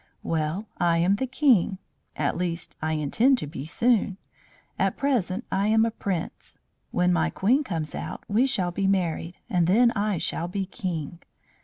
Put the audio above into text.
"Well, I am the King at least, I intend to be soon. At present I am a Prince. When my Queen comes out we shall be married, and then I shall be King.